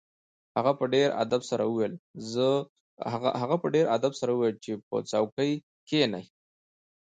هغه په ډیر ادب سره وویل چې په څوکۍ کښیني